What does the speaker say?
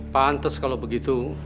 pantes kalau begitu